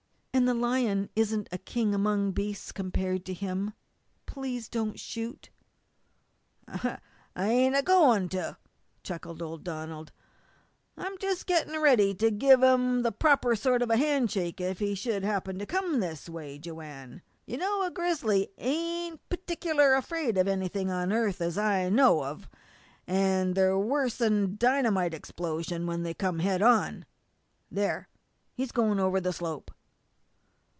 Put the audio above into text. And the lion isn't a king among beasts compared with him. Please don't shoot!" "I ain't a goin' to," chuckled old Donald. "I'm just getting ready to give 'im the proper sort of a handshake if he should happen to come this way, Joanne. You know a grizzly ain't pertic'lar afraid of anything on earth as I know of, an' they're worse 'n a dynamite explosion when they come head on. There he's goin' over the slope!"